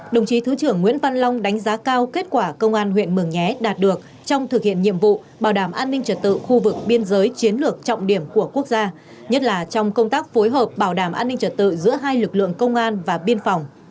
đồng chí thứ trưởng nguyễn văn long đánh giá cao kết quả công an huyện mường nhé đạt được trong thực hiện nhiệm vụ bảo đảm an ninh trật tự khu vực biên giới chiến lược trọng điểm của quốc gia nhất là trong công tác phối hợp bảo đảm an ninh trật tự giữa hai lực lượng công an và biên phòng